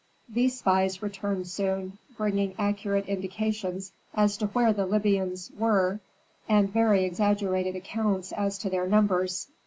These spies returned soon, bringing accurate indications as to where the Libyans were and very exaggerated accounts as to their numbers.